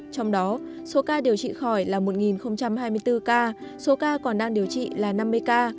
trong đó số ca điều trị khỏi là một hai mươi bốn ca số ca còn đang điều trị là năm mươi ca